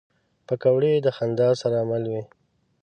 پکورې د خندا سره مل وي